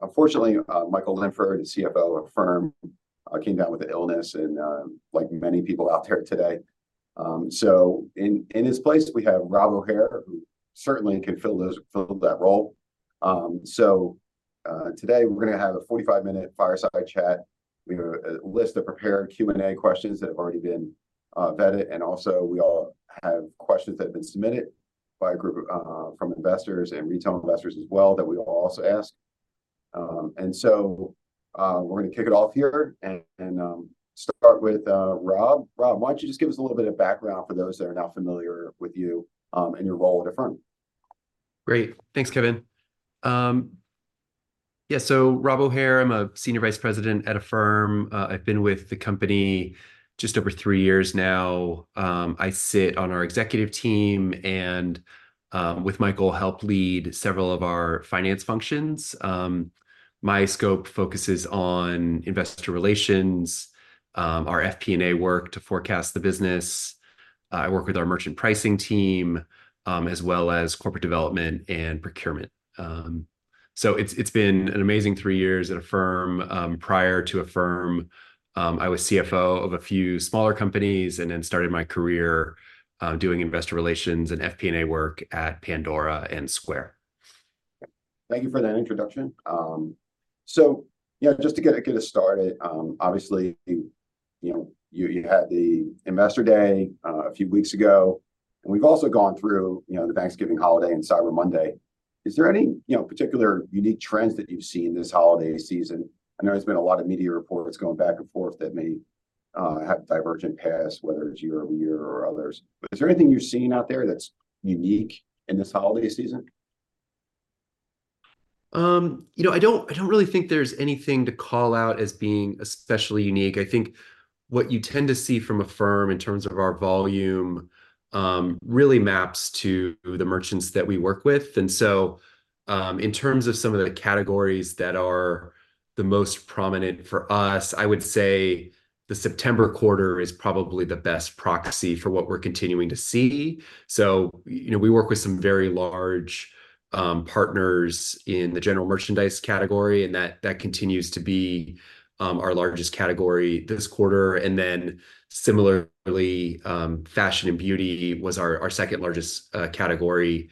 Unfortunately, Michael Linford, the CFO of Affirm, came down with an illness and, like many people out there today. So in his place, we have Rob O'Hare, who certainly can fill that role. So today we're gonna have a 45-minute fireside chat. We have a list of prepared Q&A questions that have already been vetted, and also we all have questions that have been submitted by a group from investors and retail investors as well, that we will also ask. So we're gonna kick it off here and start with Rob. Rob, why don't you just give us a little bit of background for those that are not familiar with you, and your role at Affirm? Great. Thanks, Kevin. Yeah, so Rob O'Hare, I'm a Senior Vice President at Affirm. I've been with the company just over three years now. I sit on our executive team and, with Michael, help lead several of our finance functions. My scope focuses on investor relations, our FP&A work to forecast the business. I work with our merchant pricing team, as well as corporate development and procurement. So it's, it's been an amazing three years at Affirm. Prior to Affirm, I was CFO of a few smaller companies and then started my career, doing investor relations and FP&A work at Pandora and Square. Thank you for that introduction. So yeah, just to get us started, obviously, you know, you had the Investor Day a few weeks ago, and we've also gone through, you know, the Thanksgiving holiday and Cyber Monday. Is there any, you know, particular unique trends that you've seen this holiday season? I know there's been a lot of media reports going back and forth that may have divergent paths, whether it's year-over-year or others. But is there anything you're seeing out there that's unique in this holiday season? You know, I don't, I don't really think there's anything to call out as being especially unique. I think what you tend to see from Affirm in terms of our volume, really maps to the merchants that we work with. And so, in terms of some of the categories that are the most prominent for us, I would say the September quarter is probably the best proxy for what we're continuing to see. So, you know, we work with some very large, partners in the general merchandise category, and that, that continues to be, our largest category this quarter. And then similarly, fashion and beauty was our, our second largest, category,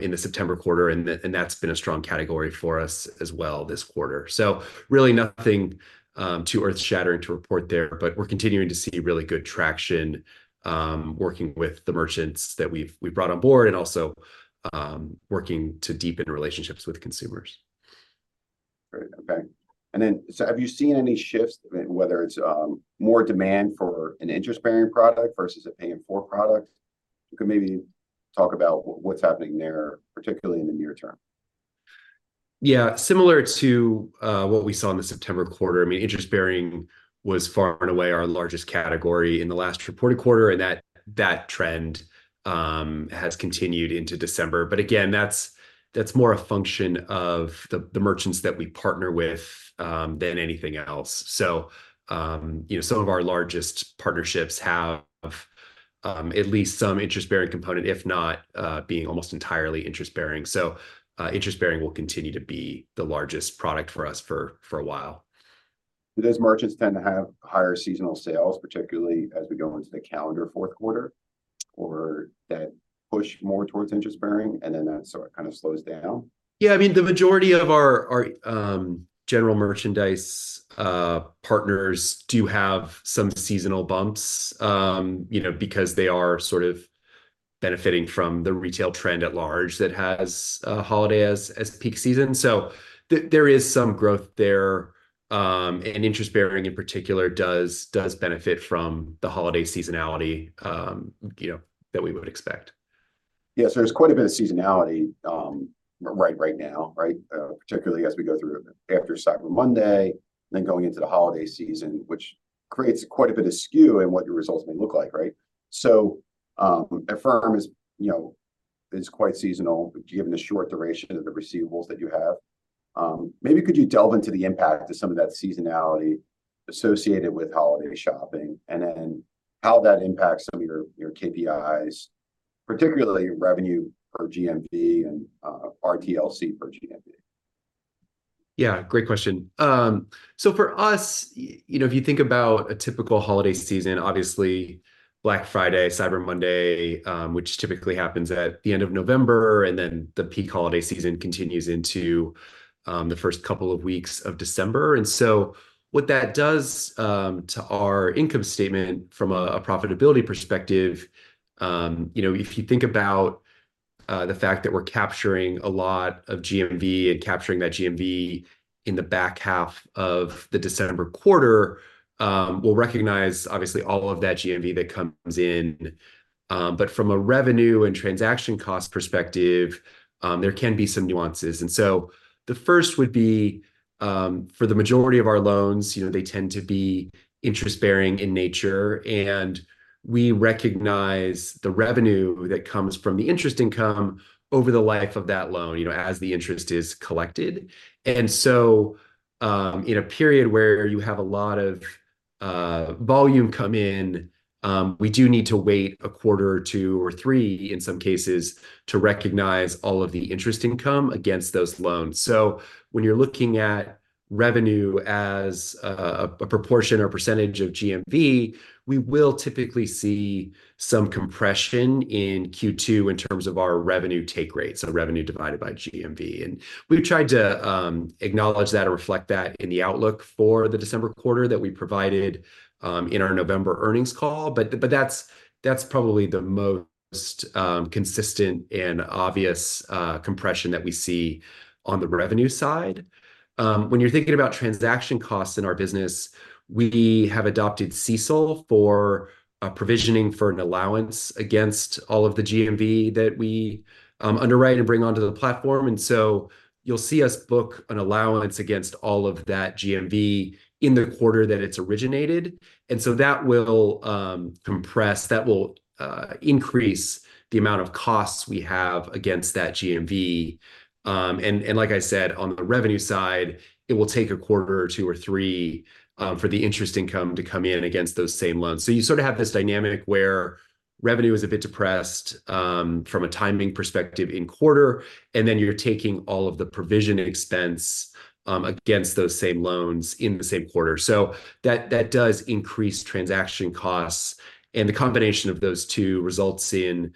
in the September quarter, and that, and that's been a strong category for us as well this quarter. Really nothing too earth-shattering to report there, but we're continuing to see really good traction working with the merchants that we've brought on board and also working to deepen relationships with consumers. Great. Okay. And then, so have you seen any shifts, whether it's more demand for an interest-bearing product versus a Pay in 4 product? You could maybe talk about what's happening there, particularly in the near term. Yeah, similar to what we saw in the September quarter, I mean, interest-bearing was far and away our largest category in the last reported quarter, and that trend has continued into December. But again, that's more a function of the merchants that we partner with than anything else. So, you know, some of our largest partnerships have at least some interest-bearing component, if not being almost entirely interest bearing. So, interest bearing will continue to be the largest product for us for a while. Do those merchants tend to have higher seasonal sales, particularly as we go into the calendar fourth quarter, or that push more towards interest-bearing and then that sort of slows down? Yeah, I mean, the majority of our general merchandise partners do have some seasonal bumps, you know, because they are sort of benefiting from the retail trend at large that has holiday as peak season. So there is some growth there, and interest-bearing, in particular, does benefit from the holiday seasonality, you know, that we would expect. Yes, there's quite a bit of seasonality, right, right now, right? Particularly as we go through after Cyber Monday and then going into the holiday season, which creates quite a bit of skew in what your results may look like, right? So, Affirm is, you know, is quite seasonal, given the short duration of the receivables that you have. Maybe could you delve into the impact of some of that seasonality associated with holiday shopping, and then how that impacts some of your, your KPIs, particularly revenue or GMV and RLTC for GMV? Yeah, great question. So for us, you know, if you think about a typical holiday season, obviously Black Friday, Cyber Monday, which typically happens at the end of November, and then the peak holiday season continues into the first couple of weeks of December. And so what that does to our income statement from a profitability perspective, you know, if you think about the fact that we're capturing a lot of GMV and capturing that GMV in the back half of the December quarter, we'll recognize, obviously, all of that GMV that comes in. But from a revenue and transaction cost perspective, there can be some nuances. The first would be, for the majority of our loans, you know, they tend to be interest-bearing in nature, and we recognize the revenue that comes from the interest income over the life of that loan, you know, as the interest is collected. So, in a period where you have a lot of volume come in, we do need to wait a quarter or two or three, in some cases, to recognize all of the interest income against those loans. When you're looking at revenue as a proportion or percentage of GMV, we will typically see some compression in Q2 in terms of our revenue take rate, so revenue divided by GMV. We've tried to acknowledge that and reflect that in the outlook for the December quarter that we provided in our November earnings call. But that's probably the most consistent and obvious compression that we see on the revenue side. When you're thinking about transaction costs in our business, we have adopted CECL for provisioning for an allowance against all of the GMV that we underwrite and bring onto the platform. And so you'll see us book an allowance against all of that GMV in the quarter that it's originated, and so that will increase the amount of costs we have against that GMV. And like I said, on the revenue side, it will take a quarter or two or three for the interest income to come in against those same loans. So you sort of have this dynamic where revenue is a bit depressed from a timing perspective in quarter, and then you're taking all of the provision expense against those same loans in the same quarter. So that, does increase transaction costs, and the combination of those two results in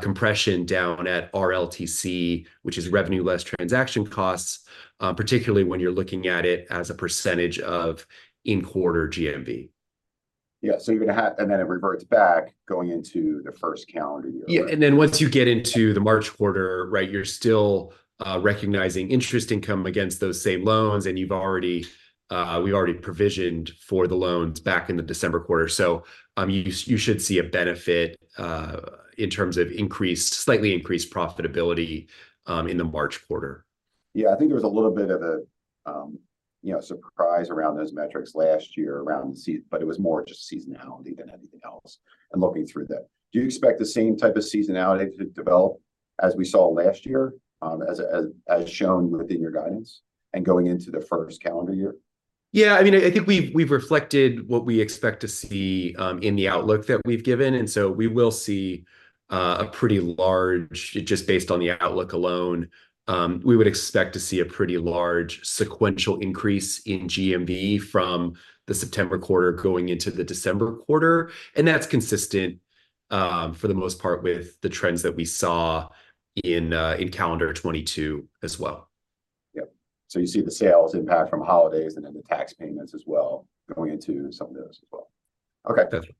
compression down at RLTC, which is revenue less transaction costs, particularly when you're looking at it as a percentage of in-quarter GMV. Yeah. So you're gonna have and then it reverts back going into the first calendar year. Yeah, and then once you get into the March quarter, right, you're still recognizing interest income against those same loans, and you've already—we've already provisioned for the loans back in the December quarter. So, you should see a benefit in terms of increased—slightly increased profitability in the March quarter. Yeah, I think there was a little bit of a, you know, surprise around those metrics last year around seasonality, but it was more just seasonality than anything else, and looking through that. Do you expect the same type of seasonality to develop as we saw last year, as shown within your guidance and going into the first calendar year? Yeah, I mean, I think we've reflected what we expect to see in the outlook that we've given, and so we will see a pretty large. Just based on the outlook alone, we would expect to see a pretty large sequential increase in GMV from the September quarter going into the December quarter, and that's consistent, for the most part, with the trends that we saw in calendar 2022 as well. Yep. So you see the sales impact from holidays and then the tax payments as well going into some of those as well. Okay. Definitely.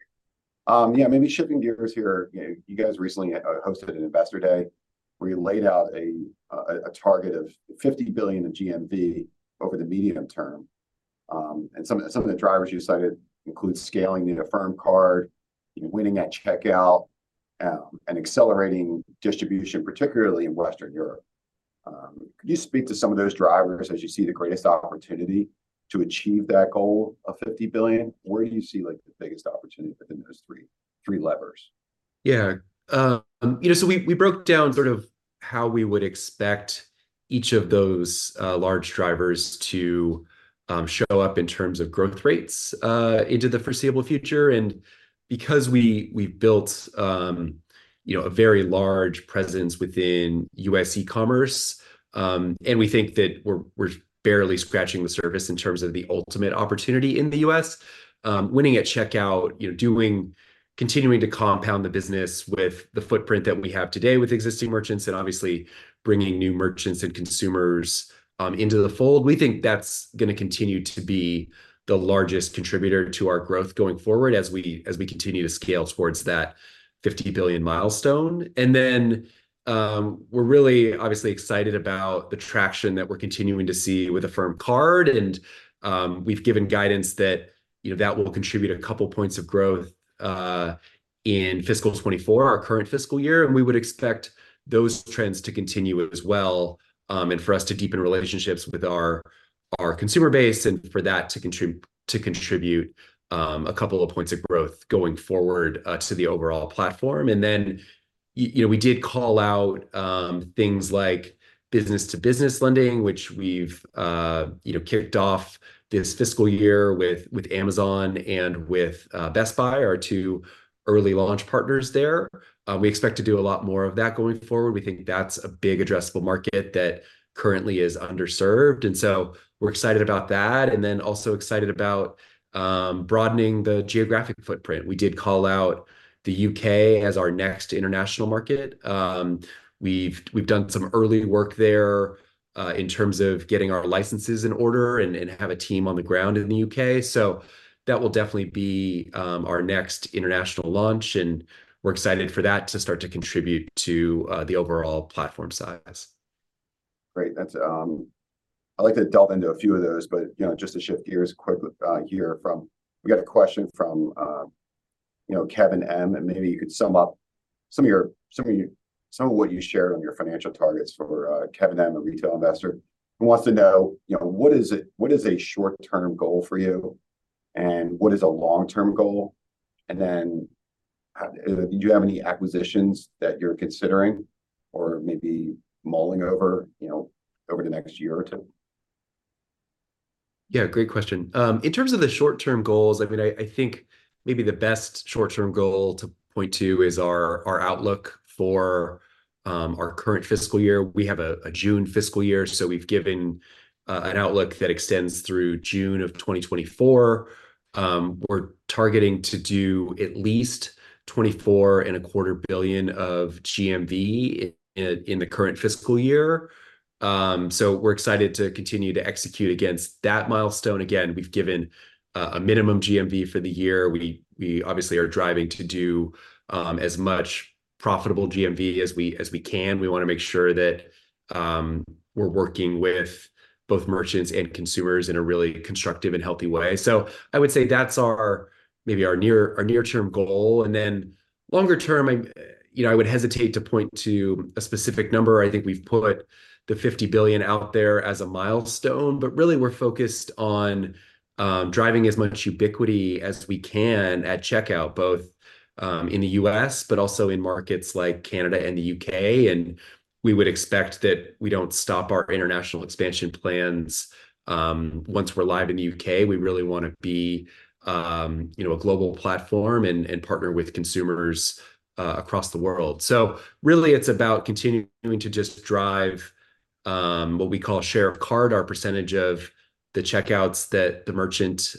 Yeah, maybe shifting gears here. You know, you guys recently hosted an Investor Day where you laid out a target of $50 billion of GMV over the medium term. And some of the drivers you cited include scaling the Affirm Card, winning at checkout, and accelerating distribution, particularly in Western Europe. Could you speak to some of those drivers as you see the greatest opportunity to achieve that goal of $50 billion? Where do you see like the biggest opportunity within those three levers? Yeah. You know, so we, we broke down sort of how we would expect each of those, large drivers to, show up in terms of growth rates, into the foreseeable future. And because we, we've built, you know, a very large presence within U.S. e-commerce, and we think that we're, we're barely scratching the surface in terms of the ultimate opportunity in the U.S. Winning at checkout, you know, continuing to compound the business with the footprint that we have today with existing merchants and obviously bringing new merchants and consumers, into the fold, we think that's gonna continue to be the largest contributor to our growth going forward as we continue to scale toward that $50 billion milestone. And then, we're really obviously excited about the traction that we're continuing to see with Affirm Card, and, we've given guidance that, you know, that will contribute a couple points of growth, in fiscal 2024, our current fiscal year. And we would expect those trends to continue as well, and for us to deepen relationships with our consumer base and for that to contribute a couple of points of growth going forward, to the overall platform. And then you know, we did call out things like business-to-business lending, which we've, you know, kicked off this fiscal year with Amazon and with Best Buy, our two early launch partners there. We expect to do a lot more of that going forward. We think that's a big addressable market that currently is underserved, and so we're excited about that. And then also excited about broadening the geographic footprint. We did call out the U.K., as our next international market. We've done some early work there in terms of getting our licenses in order and have a team on the ground in the U.K. So that will definitely be our next international launch, and we're excited for that to start to contribute to the overall platform size. Great. That's... I'd like to delve into a few of those, but, you know, just to shift gears quick, here from—we got a question from, you know, Kevin M, and maybe you could sum up some of your, some of you, some of what you shared on your financial targets for Kevin M., a retail investor, who wants to know, you know, what is it—what is a short-term goal for you, and what is a long-term goal? And then... do you have any acquisitions that you're considering or maybe mulling over, you know, over the next year or two? Yeah, great question. In terms of the short-term goals, I mean, I, I think maybe the best short-term goal to point to is our, our outlook for our current fiscal year. We have a, a June fiscal year, so we've given an outlook that extends through June of 2024. We're targeting to do at least $24.25 billion of GMV in the current fiscal year. So we're excited to continue to execute against that milestone. Again, we've given a, a minimum GMV for the year. We, we obviously are driving to do as much profitable GMV as we, as we can. We wanna make sure that we're working with both merchants and consumers in a really constructive and healthy way. So I would say that's maybe our near-term goal, and then longer term, I, you know, I would hesitate to point to a specific number. I think we've put the $50 billion out there as a milestone, but really, we're focused on driving as much ubiquity as we can at checkout, both in the U.S., but also in markets like Canada and the U.K., and we would expect that we don't stop our international expansion plans. Once we're live in the U.K., we really wanna be, you know, a global platform and, and partner with consumers across the world. So really, it's about continuing to just drive what we call share of cart, our percentage of the checkouts that the merchant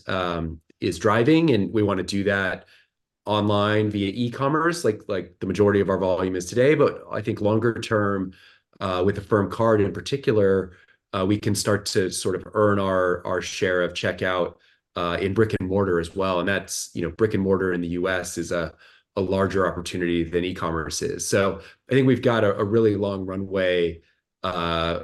is driving, and we wanna do that online via e-commerce, like, like the majority of our volume is today. But I think longer term, with Affirm Card in particular, we can start to sort of earn our share of checkout, in brick-and-mortar as well, and that's, you know, brick and mortar in the U.S. is a larger opportunity than e-commerce is. So I think we've got a really long runway,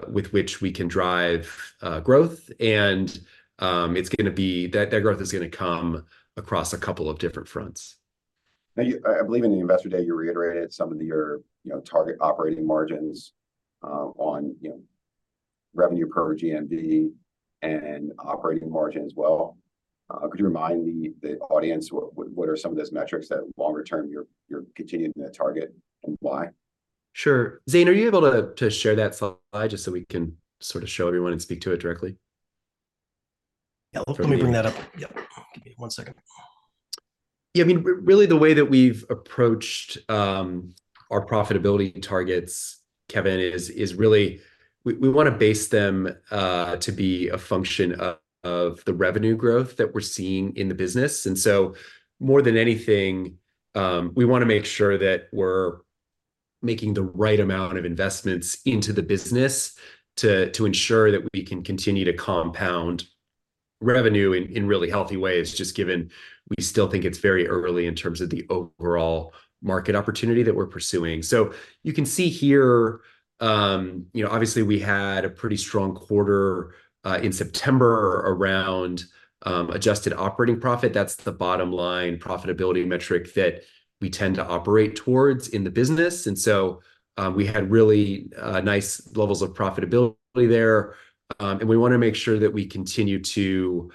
with which we can drive growth, and, it's gonna be—that growth is gonna come across a couple of different fronts. Now, I believe in the Investor Day, you reiterated some of your, you know, target operating margins, on, you know, revenue per GMV and operating margin as well. Could you remind the audience what are some of those metrics that longer term you're continuing to target and why? Sure. Zane, are you able to share that slide just so we can sort of show everyone and speak to it directly? Yeah, let me bring that up. Yep. Give me one second. Yeah, I mean, really the way that we've approached our profitability targets, Kevin, is really we wanna base them to be a function of the revenue growth that we're seeing in the business. And so more than anything, we wanna make sure that we're making the right amount of investments into the business to ensure that we can continue to compound revenue in really healthy ways, just given we still think it's very early in terms of the overall market opportunity that we're pursuing. So you can see here, you know, obviously, we had a pretty strong quarter in September around adjusted operating profit. That's the bottom line profitability metric that we tend to operate towards in the business. And so, we had really nice levels of profitability there, and we wanna make sure that we continue to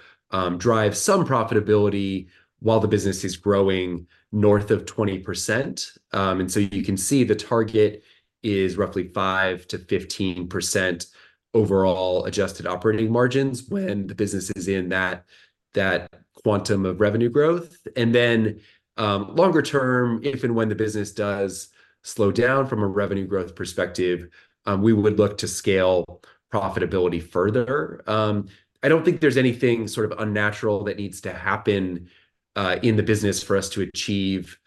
drive some profitability while the business is growing north of 20%. And so you can see the target is roughly 5%-15% overall adjusted operating margins when the business is in that quantum of revenue growth. And then, longer term, if and when the business does slow down from a revenue growth perspective, we would look to scale profitability further. I don't think there's anything sort of unnatural that needs to happen in the business for us to achieve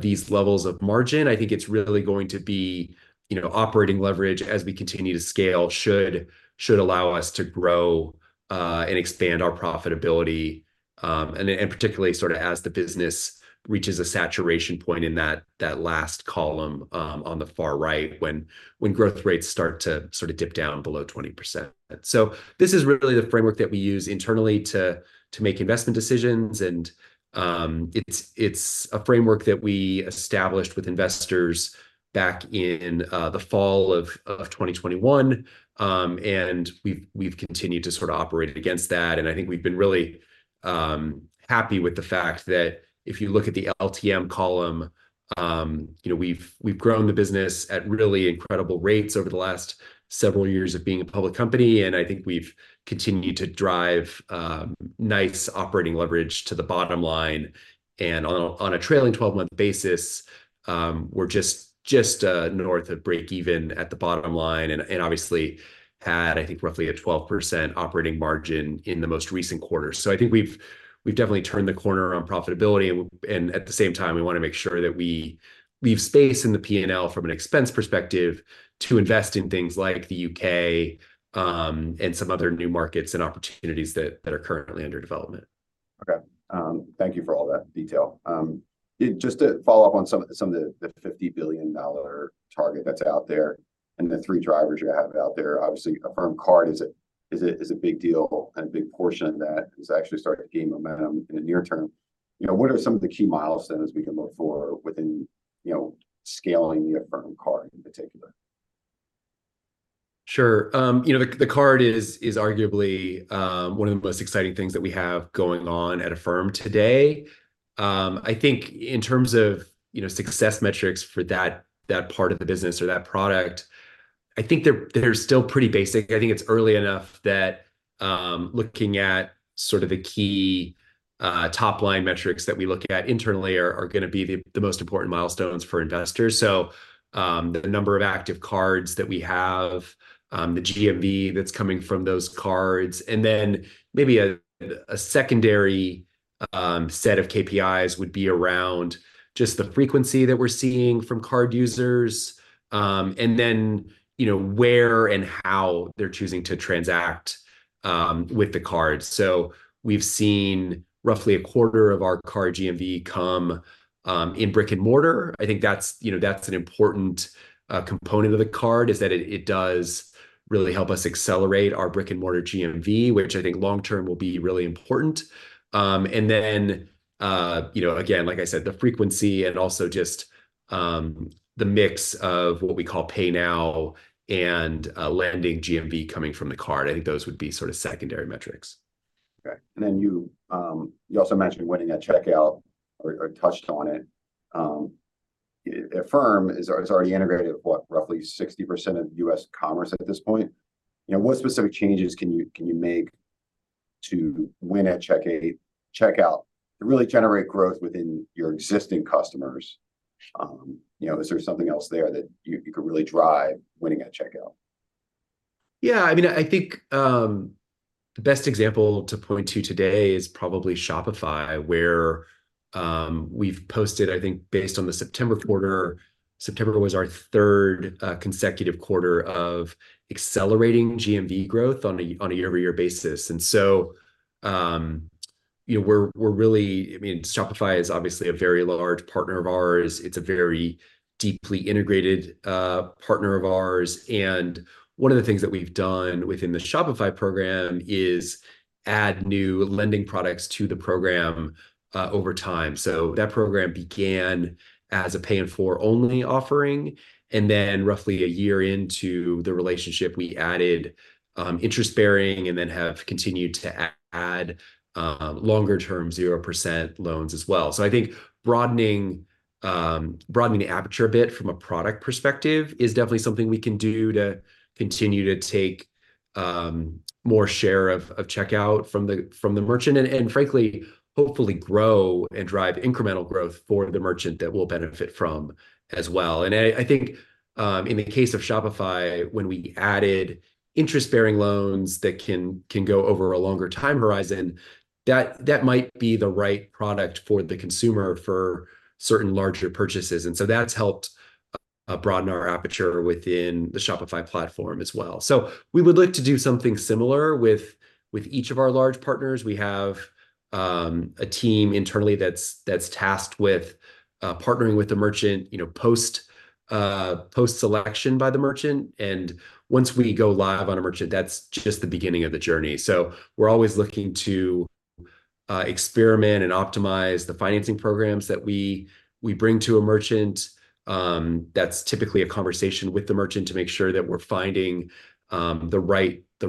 these levels of margin. I think it's really going to be, you know, operating leverage, as we continue to scale, should allow us to grow and expand our profitability, and particularly sort of as the business reaches a saturation point in that last column on the far right, when growth rates start to sort of dip down below 20%. So this is really the framework that we use internally to make investment decisions, and it's a framework that we established with investors back in the fall of 2021. And we've continued to sort of operate against that, and I think we've been really happy with the fact that if you look at the LTM column, you know, we've grown the business at really incredible rates over the last several years of being a public company, and I think we've continued to drive nice operating leverage to the bottom line. And on a trailing-twelve-month basis, we're just north of break even at the bottom line, and obviously had, I think, roughly a 12% operating margin in the most recent quarter. So I think we've definitely turned the corner on profitability, and at the same time, we wanna make sure that we leave space in the P&L from an expense perspective to invest in things like the U.K., and some other new markets and opportunities that are currently under development. Okay. Thank you for all that detail. Just to follow up on some of the $50 billion target that's out there and the 3 drivers you have out there, obviously, Affirm Card is a big deal, and a big portion of that has actually started to gain momentum in the near term. You know, what are some of the key milestones we can look for within, you know, scaling the Affirm Card in particular?... Sure. You know, the card is arguably one of the most exciting things that we have going on at Affirm today. I think in terms of, you know, success metrics for that part of the business or that product, I think they're still pretty basic. I think it's early enough that looking at sort of the key top-line metrics that we look at internally are gonna be the most important milestones for investors. So, the number of active cards that we have, the GMV that's coming from those cards, and then maybe a secondary set of KPIs would be around just the frequency that we're seeing from card users, and then, you know, where and how they're choosing to transact with the card. So we've seen roughly a quarter of our card GMV come in brick-and-mortar. I think that's, you know, that's an important component of the card, is that it, it does really help us accelerate our brick-and-mortar GMV, which I think long term will be really important. And then, you know, again, like I said, the frequency and also just the mix of what we call Pay Now and lending GMV coming from the card. I think those would be sort of secondary metrics. Okay. And then you, you also mentioned winning at checkout, or touched on it. Affirm is, has already integrated, what, roughly 60% of U.S. commerce at this point? You know, what specific changes can you, can you make to win at checkout, to really generate growth within your existing customers? You know, is there something else there that you, you could really drive winning at checkout? Yeah, I mean, I think the best example to point to today is probably Shopify, where we've posted, I think, based on the September quarter, September was our third consecutive quarter of accelerating GMV growth on a year-over-year basis. And so, we're really, Shopify is obviously a very large partner of ours. It's a very deeply integrated partner of ours, and one of the things that we've done within the Shopify program is add new lending products to the program over time. So that program began as a Pay in 4-only offering, and then roughly a year into the relationship, we added interest-bearing and then have continued to add longer-term 0% loans as well. So I think broadening the aperture a bit from a product perspective is definitely something we can do to continue to take more share of checkout from the merchant and frankly, hopefully grow and drive incremental growth for the merchant that we'll benefit from as well. And I think in the case of Shopify, when we added interest-bearing loans that can go over a longer time horizon, that might be the right product for the consumer for certain larger purchases, and so that's helped broaden our aperture within the Shopify platform as well. So we would look to do something similar with each of our large partners. We have a team internally that's tasked with partnering with the merchant, you know, post-selection by the merchant. Once we go live on a merchant, that's just the beginning of the journey. We're always looking to experiment and optimize the financing programs that we bring to a merchant. That's typically a conversation with the merchant to make sure that we're finding the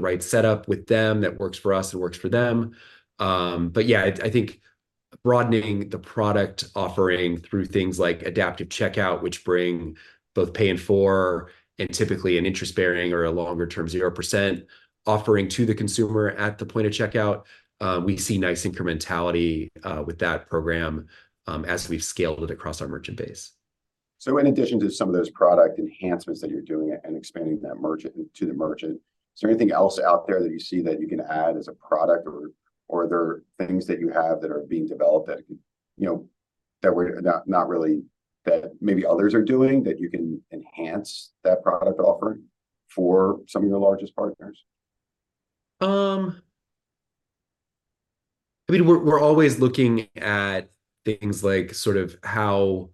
right setup with them that works for us and works for them. But yeah, I think broadening the product offering through things like Adaptive Checkout, which bring both pay-in-full and typically an interest-bearing or a longer-term 0% offering to the consumer at the point of checkout, we see nice incrementality with that program as we've scaled it across our merchant base. So in addition to some of those product enhancements that you're doing and expanding that to the merchant, is there anything else out there that you see that you can add as a product, or are there things that you have that are being developed that, you know, that we're not really... that maybe others are doing, that you can enhance that product offering for some of your largest partners? I mean, we're always looking at things like sort of how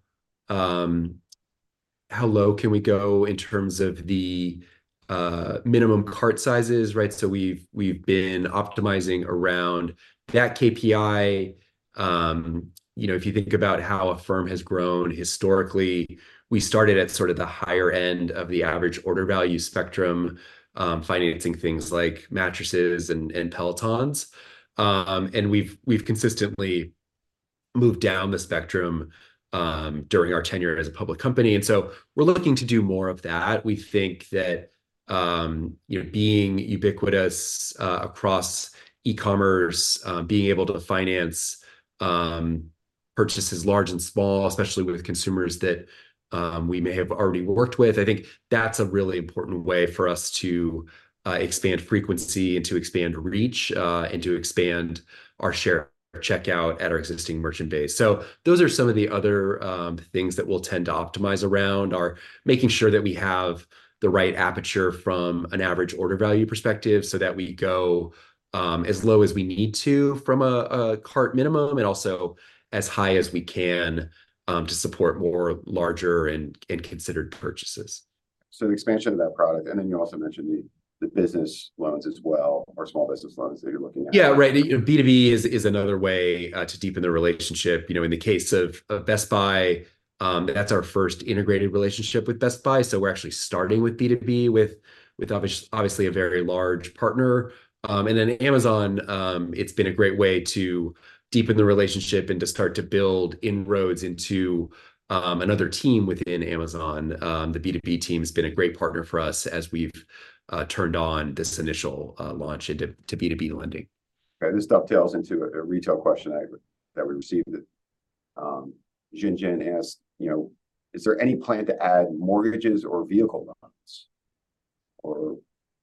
low can we go in terms of the minimum cart sizes, right? So we've been optimizing around that KPI. You know, if you think about how Affirm has grown historically, we started at sort of the higher end of the average order value spectrum, financing things like mattresses and Pelotons. And we've consistently moved down the spectrum during our tenure as a public company, and so we're looking to do more of that. We think that, you know, being ubiquitous across e-commerce, being able to finance purchases large and small, especially with consumers that we may have already worked with, I think that's a really important way for us to expand frequency and to expand reach, and to expand our share of checkout at our existing merchant base. So those are some of the other things that we'll tend to optimize around, are making sure that we have the right aperture from an average order value perspective, so that we go as low as we need to from a cart minimum, and also as high as we can to support more larger and considered purchases.... So the expansion of that product, and then you also mentioned the business loans as well, or small business loans that you're looking at. Yeah, right. You know, B2B is another way to deepen the relationship. You know, in the case of Best Buy, that's our first integrated relationship with Best Buy, so we're actually starting with B2B, with obviously a very large partner. And then Amazon, it's been a great way to deepen the relationship and to start to build inroads into another team within Amazon. The B2B team has been a great partner for us as we've turned on this initial launch into B2B lending. Okay, this dovetails into a retail question that we received. Jinjin asked, you know, "Is there any plan to add mortgages or vehicle loans? Or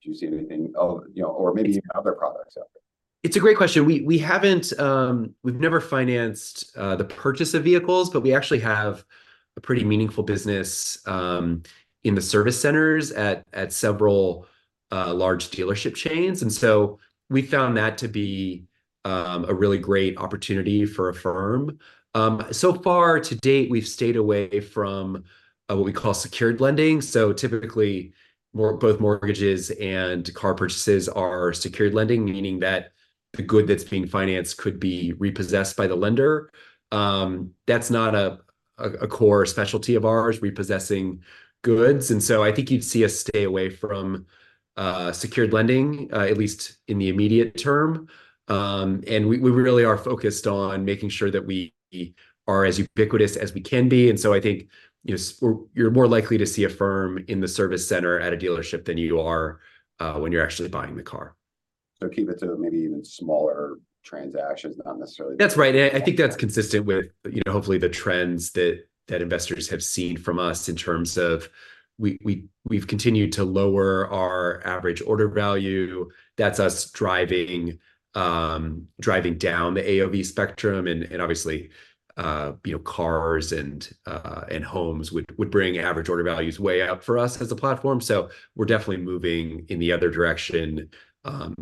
do you see anything... Oh, you know, or maybe other products out there. It's a great question. We haven't—we've never financed the purchase of vehicles, but we actually have a pretty meaningful business in the service centers at several large dealership chains. And so we found that to be a really great opportunity for Affirm. So far to date, we've stayed away from what we call secured lending. So typically, both mortgages and car purchases are secured lending, meaning that the good that's being financed could be repossessed by the lender. That's not a core specialty of ours, repossessing goods, and so I think you'd see us stay away from secured lending at least in the immediate term. We really are focused on making sure that we are as ubiquitous as we can be, and so I think, you know, you're more likely to see Affirm in the service center at a dealership than you are when you're actually buying the car. Keep it to maybe even smaller transactions, not necessarily- That's right. And I think that's consistent with, you know, hopefully the trends that investors have seen from us in terms of we've continued to lower our average order value. That's us driving down the AOV spectrum. And obviously, you know, cars and homes would bring average order values way up for us as a platform. So we're definitely moving in the other direction.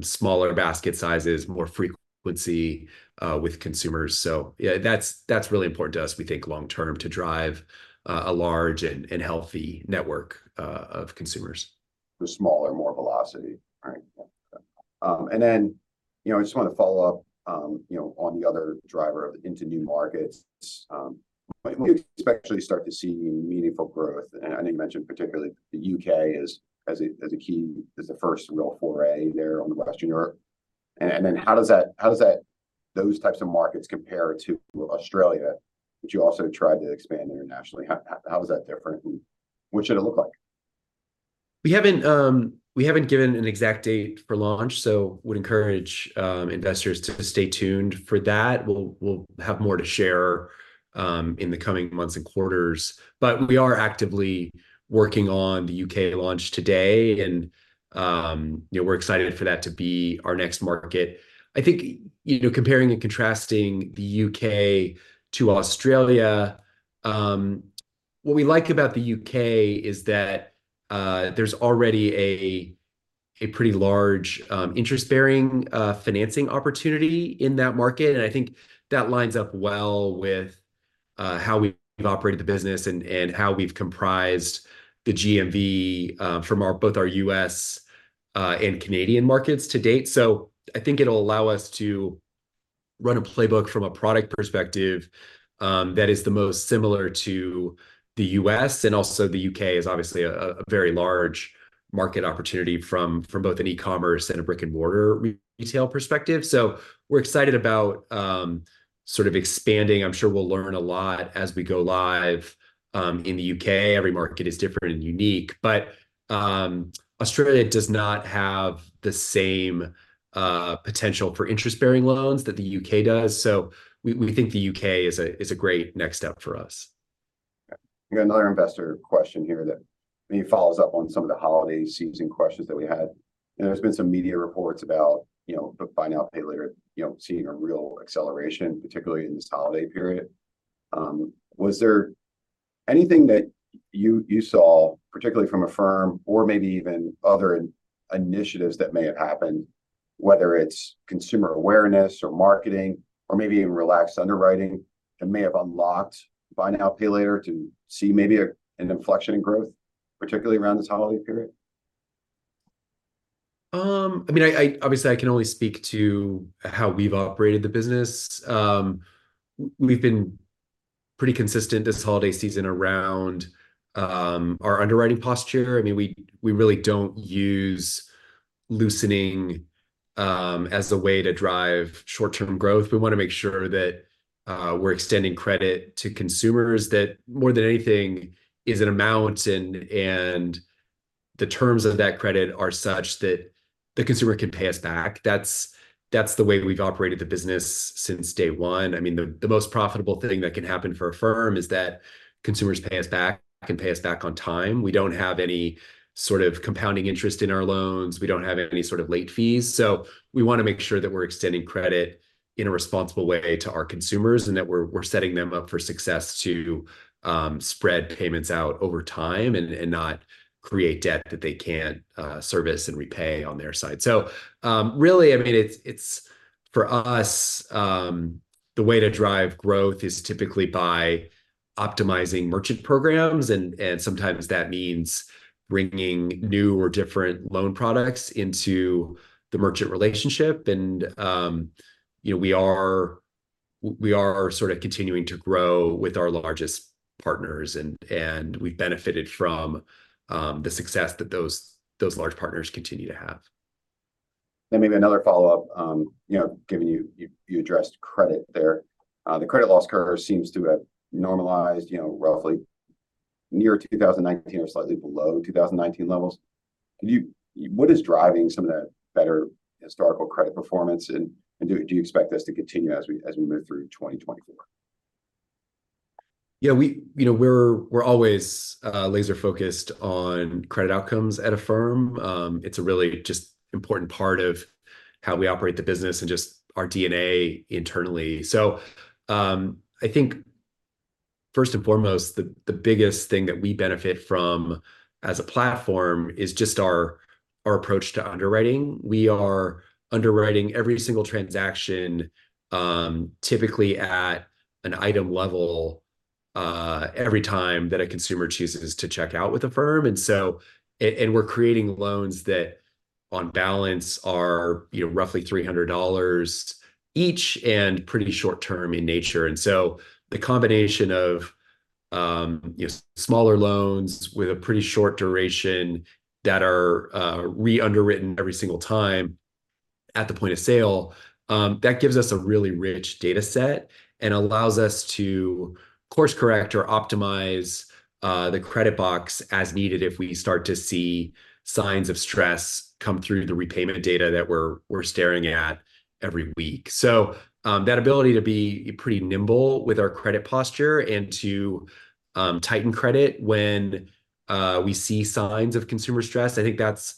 Smaller basket sizes, more frequency with consumers. So yeah, that's really important to us, we think long term, to drive a large and healthy network of consumers. The smaller, more velocity. All right. And then, you know, I just want to follow up, you know, on the other driver into new markets. When will we especially start to see meaningful growth? And I know you mentioned particularly the U.K., as a key as a first real foray there onto Western Europe. And then how does that, those types of markets compare to Australia, which you also tried to expand internationally? How is that different, and what should it look like? We haven't, we haven't given an exact date for launch, so would encourage, investors to stay tuned for that. We'll, we'll have more to share, in the coming months and quarters. But we are actively working on the U.K. launch today, and, you know, we're excited for that to be our next market. I think, you know, comparing and contrasting the U.K. to Australia, what we like about the U.K. is that, there's already a pretty large, interest-bearing, financing opportunity in that market. And I think that lines up well with, how we've operated the business and how we've comprised the GMV, from both our U.S. and Canadian markets to date. So I think it'll allow us to run a playbook from a product perspective that is the most similar to the U.S., and also the U.K. is obviously a very large market opportunity from both an e-commerce and a brick-and-mortar retail perspective. So we're excited about sort of expanding. I'm sure we'll learn a lot as we go live in the U.K. Every market is different and unique, but Australia does not have the same potential for interest-bearing loans that the U.K. does, so we think the U.K. is a great next step for us. We got another investor question here that he follows up on some of the holiday season questions that we had. And there's been some media reports about, you know, buy now, pay later, you know, seeing a real acceleration, particularly in this holiday period. Was there anything that you saw, particularly from Affirm or maybe even other initiatives that may have happened, whether it's consumer awareness or marketing or maybe even relaxed underwriting, that may have unlocked buy now, pay later to see maybe an inflection in growth, particularly around this holiday period? I mean, obviously, I can only speak to how we've operated the business. We've been pretty consistent this holiday season around our underwriting posture. I mean, we really don't use loosening as a way to drive short-term growth. We want to make sure that we're extending credit to consumers, that more than anything, is an amount and the terms of that credit are such that the consumer can pay us back. That's the way we've operated the business since day one. I mean, the most profitable thing that can happen for Affirm is that consumers pay us back and pay us back on time. We don't have any sort of compounding interest in our loans. We don't have any sort of late fees. So we wanna make sure that we're extending credit in a responsible way to our consumers and that we're setting them up for success to spread payments out over time and not create debt that they can't service and repay on their side. So, really, I mean, it's for us, the way to drive growth is typically by optimizing merchant programs, and sometimes that means bringing new or different loan products into the merchant relationship. And, you know, we are sort of continuing to grow with our largest partners and we've benefited from the success that those large partners continue to have. Maybe another follow-up, you know, given you addressed credit there. The credit loss curve seems to have normalized, you know, roughly near 2019 or slightly below 2019 levels. What is driving some of the better historical credit performance, and do you expect this to continue as we move through 2024? Yeah, you know, we're, we're always laser-focused on credit outcomes at Affirm. It's a really just important part of how we operate the business and just our DNA internally. So, I think first and foremost, the biggest thing that we benefit from as a platform is just our approach to underwriting. We are underwriting every single transaction, typically at an item level, every time that a consumer chooses to check out with Affirm. And, and we're creating loans that, on balance, are, you know, roughly $300 each and pretty short term in nature. And so the combination of, you know, smaller loans with a pretty short duration that are re-underwritten every single time at the point of sale, that gives us a really rich data set and allows us to course-correct or optimize the credit box as needed if we start to see signs of stress come through the repayment data that we're staring at every week. So, that ability to be pretty nimble with our credit posture and to tighten credit when we see signs of consumer stress, I think that's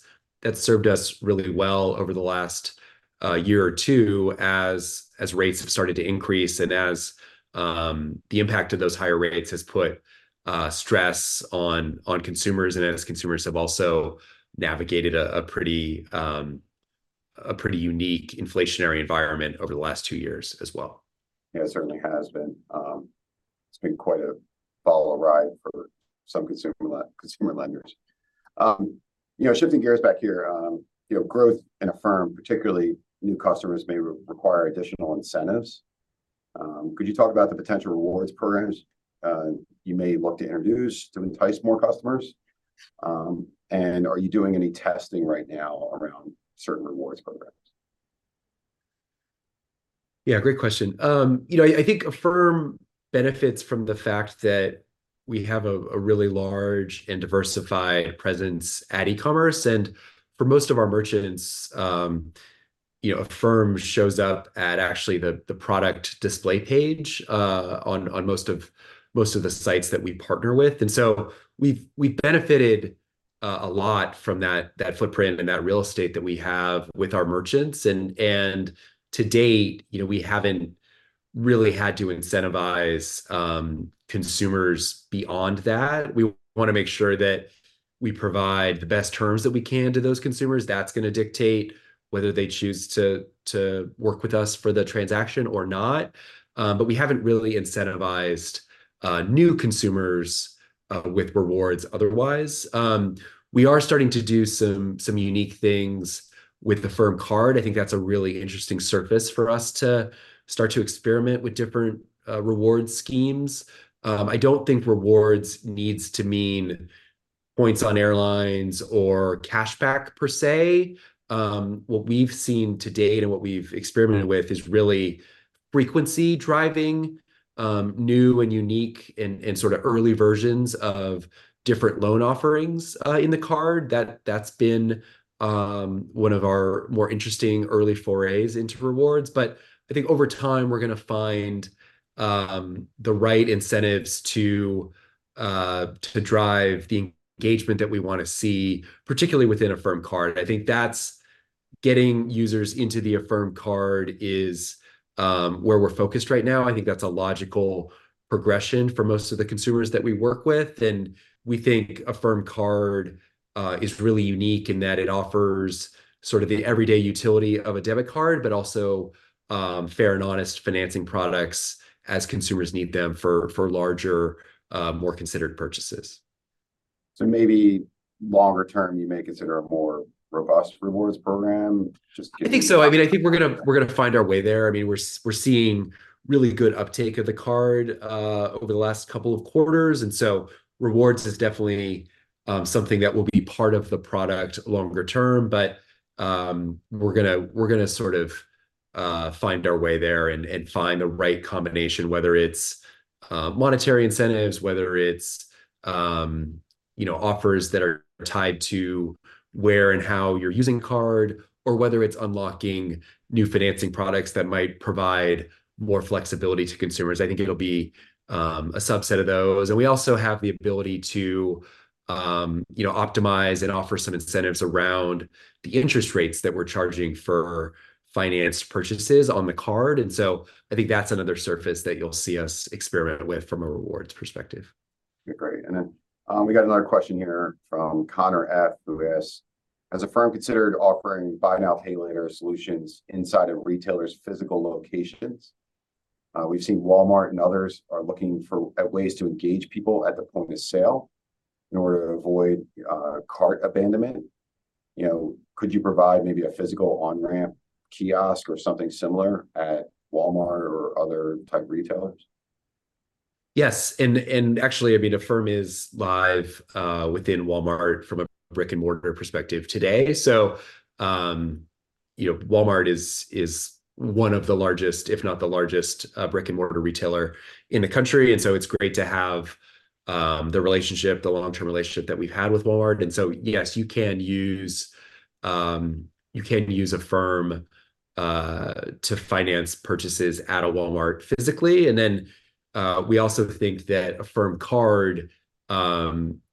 served us really well over the last year or two as rates have started to increase and as the impact of those higher rates has put stress on consumers and as consumers have also navigated a pretty unique inflationary environment over the last two years as well. Yeah, it certainly has been. It's been quite a volatile ride for some consumer lenders. You know, shifting gears back here, you know, growth in Affirm, particularly new customers, may require additional incentives. Could you talk about the potential rewards programs you may look to introduce to entice more customers? And are you doing any testing right now around certain rewards programs? Yeah, great question. You know, I think Affirm benefits from the fact that we have a really large and diversified presence at e-commerce. And for most of our merchants, you know, Affirm shows up at actually the product display page, on most of the sites that we partner with. And so we've benefited a lot from that footprint and that real estate that we have with our merchants. And to date, you know, we haven't really had to incentivize consumers beyond that. We wanna make sure that we provide the best terms that we can to those consumers. That's gonna dictate whether they choose to work with us for the transaction or not. But we haven't really incentivized new consumers with rewards otherwise. We are starting to do some unique things with the Affirm Card. I think that's a really interesting surface for us to start to experiment with different reward schemes. I don't think rewards needs to mean points on airlines or cashback per se. What we've seen to date and what we've experimented with is really frequency driving new and unique and sorta early versions of different loan offerings in the card. That's been one of our more interesting early forays into rewards. But I think over time we're gonna find the right incentives to drive the engagement that we wanna see, particularly within Affirm Card. I think that's... Getting users into the Affirm Card is where we're focused right now. I think that's a logical progression for most of the consumers that we work with, and we think Affirm Card is really unique in that it offers sort of the everyday utility of a debit card, but also fair and honest financing products as consumers need them for larger, more considered purchases. So maybe longer term, you may consider a more robust rewards program, just- I think so. I mean, I think we're gonna find our way there. I mean, we're seeing really good uptake of the card over the last couple of quarters, and so rewards is definitely something that will be part of the product longer term. But we're gonna sort of find our way there and find the right combination, whether it's monetary incentives, whether it's you know, offers that are tied to where and how you're using card, or whether it's unlocking new financing products that might provide more flexibility to consumers. I think it'll be a subset of those. And we also have the ability to you know, optimize and offer some incentives around the interest rates that we're charging for financed purchases on the card. I think that's another surface that you'll see us experiment with from a rewards perspective.... Great. And then, we got another question here from Connor F., who asks: Has Affirm considered offering buy now, pay later solutions inside of retailers' physical locations? We've seen Walmart and others are looking at ways to engage people at the point of sale in order to avoid cart abandonment. You know, could you provide maybe a physical on-ramp kiosk or something similar at Walmart or other type retailers? Yes, and actually, I mean, Affirm is live within Walmart from a brick-and-mortar perspective today. So, you know, Walmart is one of the largest, if not the largest, brick-and-mortar retailer in the country, and so it's great to have the relationship, the long-term relationship that we've had with Walmart. And so, yes, you can use Affirm to finance purchases at a Walmart physically. And then, we also think that Affirm Card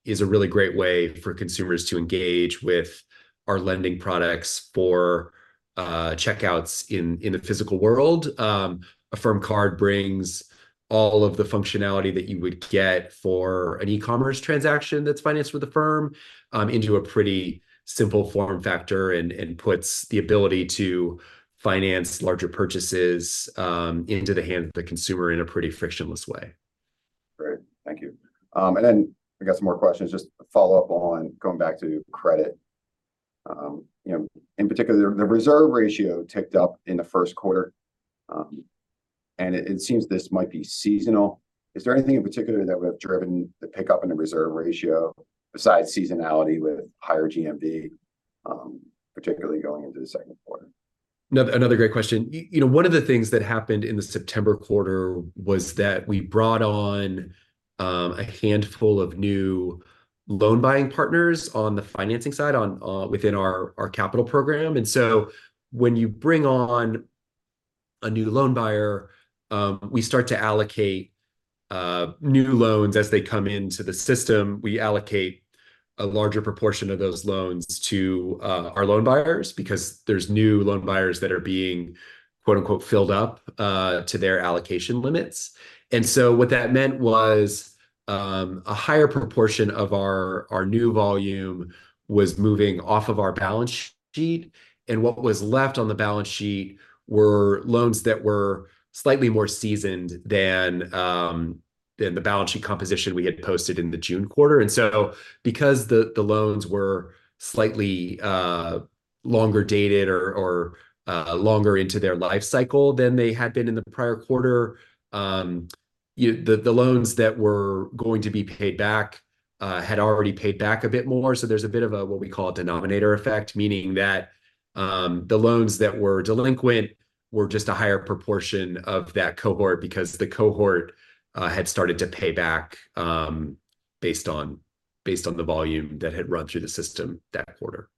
is a really great way for consumers to engage with our lending products for checkouts in the physical world. Affirm Card brings all of the functionality that you would get for an e-commerce transaction that's financed with Affirm, into a pretty simple form factor and puts the ability to finance larger purchases into the hands of the consumer in a pretty frictionless way. Great. Thank you. And then I got some more questions. Just to follow up on going back to credit. You know, in particular, the reserve ratio ticked up in the first quarter, and it seems this might be seasonal. Is there anything in particular that would have driven the pickup in the reserve ratio besides seasonality with higher GMV, particularly going into the second quarter? Another great question. You know, one of the things that happened in the September quarter was that we brought on a handful of new loan buying partners on the financing side within our capital program. And so when you bring on a new loan buyer, we start to allocate new loans as they come into the system. We allocate a larger proportion of those loans to our loan buyers because there's new loan buyers that are being, quote-unquote, "filled up," to their allocation limits. And so what that meant was a higher proportion of our new volume was moving off of our balance sheet, and what was left on the balance sheet were loans that were slightly more seasoned than the balance sheet composition we had posted in the June quarter. And so because the loans were slightly longer dated or longer into their life cycle than they had been in the prior quarter, the loans that were going to be paid back had already paid back a bit more. So there's a bit of a what we call a denominator effect, meaning that the loans that were delinquent were just a higher proportion of that cohort because the cohort had started to pay back based on the volume that had run through the system that quarter.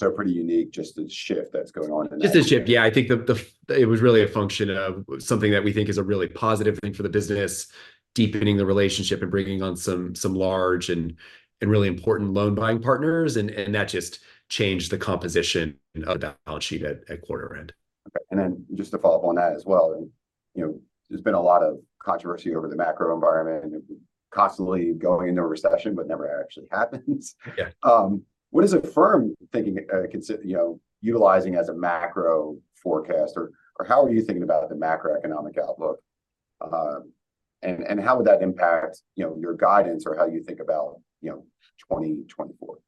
So pretty unique, just the shift that's going on in that- Just the shift. Yeah, I think the... It was really a function of something that we think is a really positive thing for the business, deepening the relationship and bringing on some large and really important loan-buying partners, and that just changed the composition of the balance sheet at quarter end. Okay. And then just to follow up on that as well, and, you know, there's been a lot of controversy over the macro environment and constantly going into a recession, but never actually happens. Yeah. What is Affirm thinking, you know, utilizing as a macro forecaster? Or how are you thinking about the macroeconomic outlook? And how would that impact, you know, your guidance or how you think about, you know, 2024?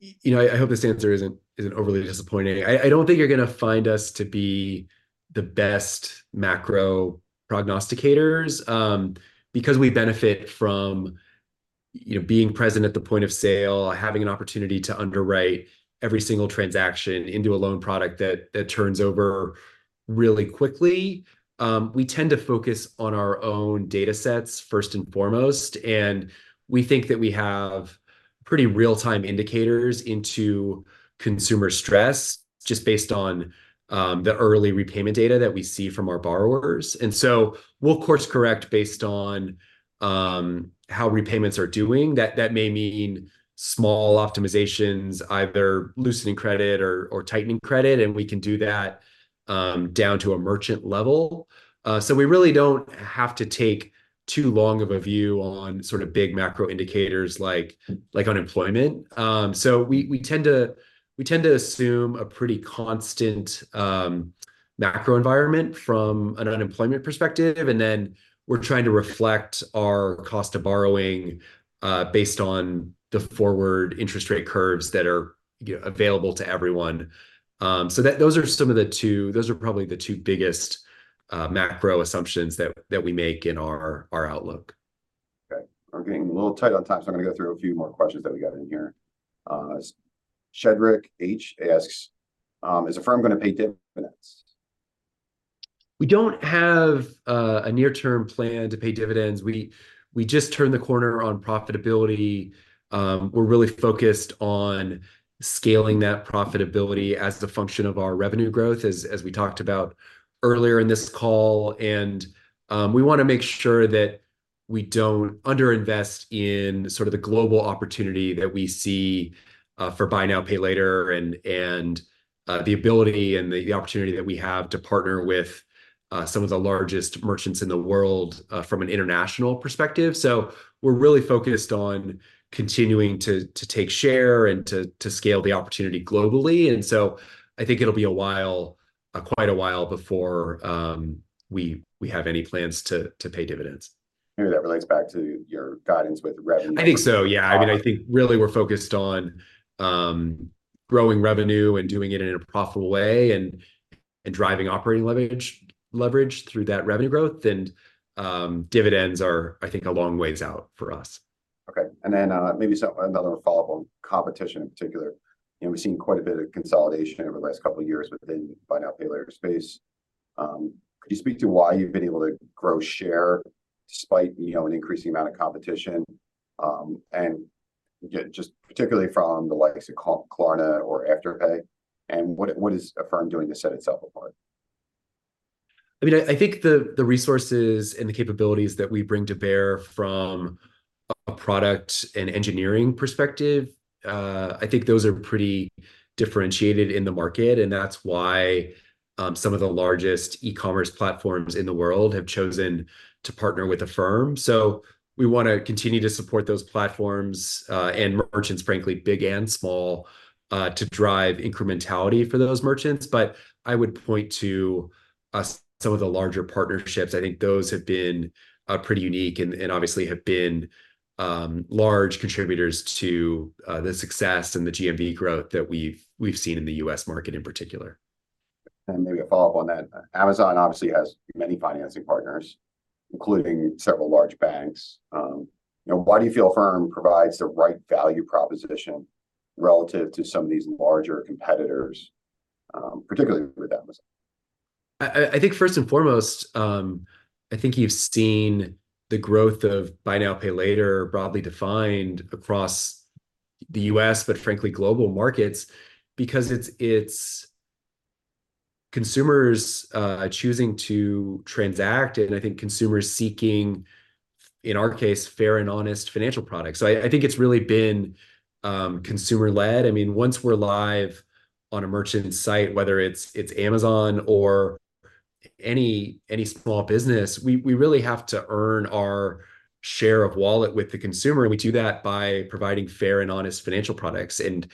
You know, I hope this answer isn't overly disappointing. I don't think you're gonna find us to be the best macro prognosticators, because we benefit from, you know, being present at the point of sale, having an opportunity to underwrite every single transaction into a loan product that turns over really quickly. We tend to focus on our own datasets first and foremost, and we think that we have pretty real-time indicators into consumer stress just based on the early repayment data that we see from our borrowers. And so we'll course-correct based on how repayments are doing. That may mean small optimizations, either loosening credit or tightening credit, and we can do that down to a merchant level. So we really don't have to take too long of a view on sort of big macro indicators like unemployment. So we tend to assume a pretty constant macro environment from an unemployment perspective, and then we're trying to reflect our cost of borrowing based on the forward interest rate curves that are available to everyone. Those are probably the two biggest macro assumptions that we make in our outlook. Okay, we're getting a little tight on time, so I'm gonna go through a few more questions that we got in here. Shadrick H. asks: Is Affirm going to pay dividends? We don't have a near-term plan to pay dividends. We just turned the corner on profitability. We're really focused on scaling that profitability as the function of our revenue growth, as we talked about earlier in this call, and we wanna make sure that we don't underinvest in sort of the global opportunity that we see for buy now, pay later, and the ability and the opportunity that we have to partner with some of the largest merchants in the world from an international perspective. So we're really focused on continuing to take share and to scale the opportunity globally. And so I think it'll be a while, quite a while before we have any plans to pay dividends. Maybe that relates back to your guidance with revenue- I think so, yeah. I mean, I think really we're focused on growing revenue and doing it in a profitable way, and driving operating leverage through that revenue growth. And, dividends are, I think, a long ways out for us. Okay. And then, maybe so another follow-up on competition in particular, and we've seen quite a bit of consolidation over the last couple of years within buy now, pay later space. Could you speak to why you've been able to grow share despite, you know, an increasing amount of competition, and just particularly from the likes of Klarna or Afterpay? And what, what is Affirm doing to set itself apart? I mean, I think the resources and the capabilities that we bring to bear from a product and engineering perspective, I think those are pretty differentiated in the market, and that's why some of the largest e-commerce platforms in the world have chosen to partner with Affirm. So we want to continue to support those platforms and merchants, frankly, big and small, to drive incrementality for those merchants. But I would point to some of the larger partnerships. I think those have been pretty unique and obviously have been large contributors to the success and the GMV growth that we've seen in the U.S. market in particular. Maybe a follow-up on that. Amazon obviously has many financing partners, including several large banks. You know, why do you feel Affirm provides the right value proposition relative to some of these larger competitors, particularly with Amazon? I think first and foremost, I think you've seen the growth of buy now, pay later, broadly defined across the U.S., but frankly, global markets, because it's consumers choosing to transact, and I think consumers seeking, in our case, fine and honest financial products. So I think it's really been consumer-led. I mean, once we're live on a merchant site, whether it's Amazon or any small business, we really have to earn our share of wallet with the consumer, and we do that by providing fair and honest financial products. And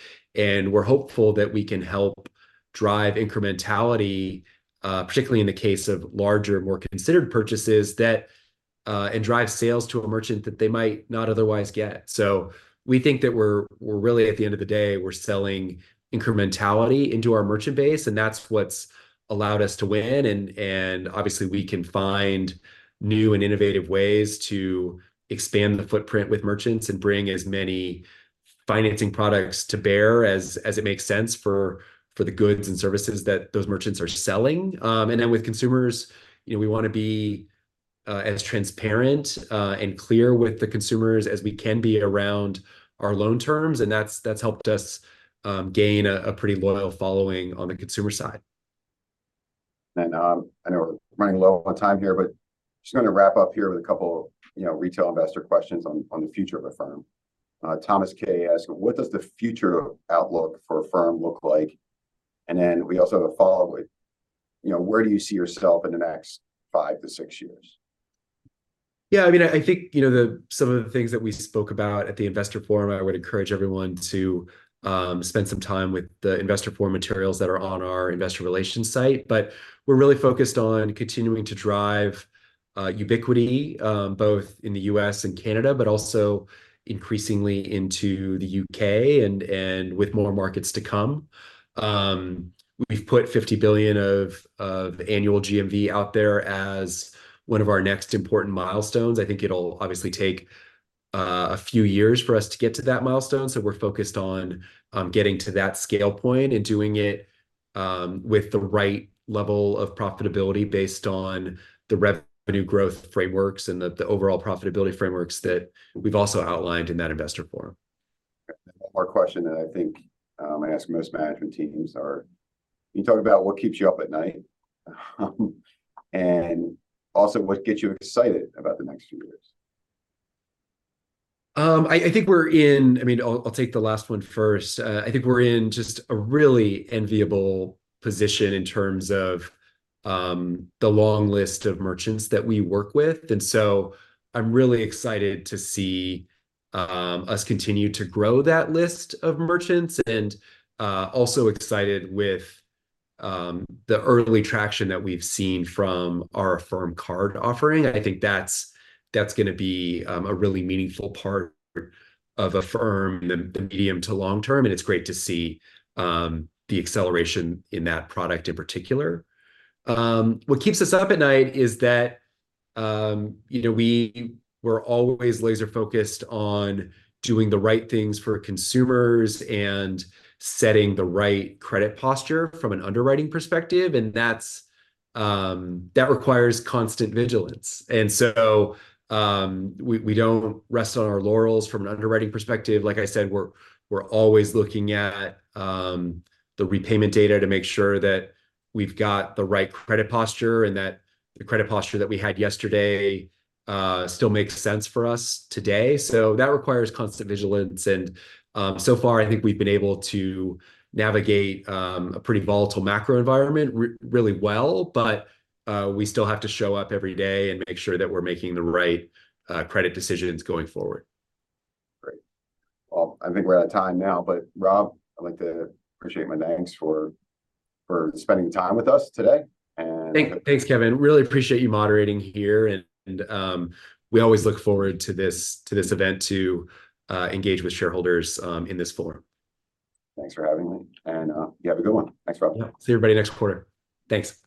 we're hopeful that we can help drive incrementality, particularly in the case of larger, more considered purchases, that and drive sales to a merchant that they might not otherwise get. So we think that we're really, at the end of the day, we're selling incrementality into our merchant base, and that's what's allowed us to win. And obviously, we can find new and innovative ways to expand the footprint with merchants and bring as many financing products to bear as it makes sense for the goods and services that those merchants are selling. And then with consumers, you know, we want to be as transparent and clear with the consumers as we can be around our loan terms, and that's helped us gain a pretty loyal following on the consumer side. And, I know we're running low on time here, but just going to wrap up here with a couple, you know, retail investor questions on the future of Affirm. Thomas K. asked, "What does the future outlook for Affirm look like?" And then we also have a follow-up with, you know: "Where do you see yourself in the next five-to-six years? Yeah, I mean, I think, you know, some of the things that we spoke about at the investor forum, I would encourage everyone to spend some time with the investor forum materials that are on our investor relations site. But we're really focused on continuing to drive ubiquity both in the U.S. and Canada, but also increasingly into the U.K. and with more markets to come. We've put $50 billion of annual GMV out there as one of our next important milestones. I think it'll obviously take a few years for us to get to that milestone. So we're focused on getting to that scale point and doing it with the right level of profitability based on the revenue growth frameworks and the overall profitability frameworks that we've also outlined in that investor forum. One more question that I think, I ask most management teams are: Can you talk about what keeps you up at night? And also, what gets you excited about the next few years? I mean, I'll take the last one first. I think we're in just a really enviable position in terms of the long list of merchants that we work with, and so I'm really excited to see us continue to grow that list of merchants and also excited with the early traction that we've seen from our Affirm Card offering. I think that's going to be a really meaningful part of Affirm in the medium to long term, and it's great to see the acceleration in that product in particular. What keeps us up at night is that, you know, we're always laser-focused on doing the right things for consumers and setting the right credit posture from an underwriting perspective, and that requires constant vigilance. And so, we don't rest on our laurels from an underwriting perspective. Like I said, we're always looking at the repayment data to make sure that we've got the right credit posture and that the credit posture that we had yesterday still makes sense for us today. So that requires constant vigilance, and so far, I think we've been able to navigate a pretty volatile macro environment really well. But we still have to show up every day and make sure that we're making the right credit decisions going forward. Great. Well, I think we're out of time now, but, Rob, I'd like to appreciate my thanks for spending time with us today, and- Thanks, Kevin. Really appreciate you moderating here, and we always look forward to this event to engage with shareholders in this forum. Thanks for having me, and, you have a good one. Thanks, Rob. Yeah. See everybody next quarter. Thanks.